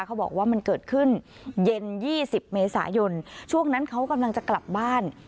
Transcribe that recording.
เขาบอกว่ามันเกิดขึ้นเย็น๒๐เมษายนช่วงนั้นเขากำลังจะกลับบ้าน